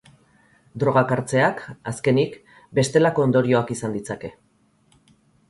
Drogak hartzeak, azkenik, bestelako ondorioak izan ditzake.